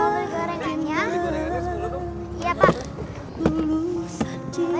beli gorengannya sebelumnya